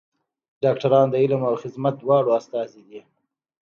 ډاکټران د علم او خدمت دواړو استازي دي.